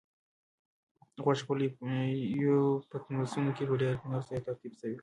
غوښه په لویو پتنوسونو کې په ډېر هنر سره ترتیب شوې وه.